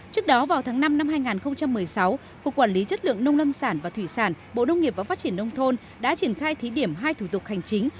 trước đó vào tháng năm năm hai nghìn một mươi sáu cục quản lý chất lượng nông lâm sản và thủy sản bộ nông nghiệp và phát triển nông thôn đã triển khai thí điểm hai thủ tục hành chính